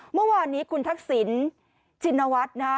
เมื่อวานนี้คุณทักษิณชินวัฒน์นะฮะ